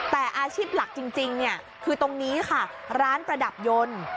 แต่อาชีพหลักจริงคือตรงนี้ค่ะร้านประดับยนต์